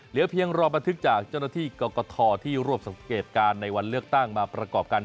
เพียงรอบันทึกจากเจ้าหน้าที่กรกฐที่รวบสังเกตการณ์ในวันเลือกตั้งมาประกอบกัน